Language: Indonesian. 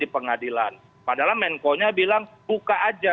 padahal menkonya bilang buka aja